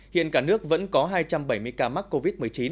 hiện cả nước vẫn có hai trăm bảy mươi ca mắc covid một mươi chín